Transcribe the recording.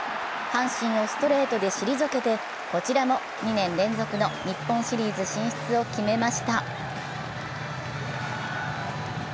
阪神をストレートで退けて、こちらも２年連続の日本シリーズ進出を決めました。